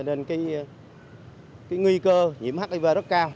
sử dụng ma túy cho nên cái nguy cơ nhiễm hiv rất cao